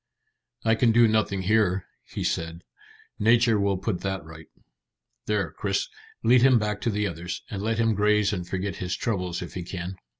"I can do nothing here," he said. "Nature will put that right. There, Chris, lead him back to the others, and let him graze and forget his troubles if he can."